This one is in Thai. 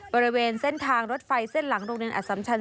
บริเวณเส้นทางรถไฟเส้นหลังโรงเรียนอสัมชัน